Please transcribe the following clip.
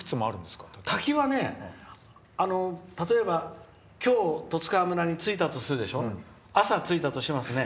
滝は例えば今日、十津川村に着いたとして朝、着いたとしますね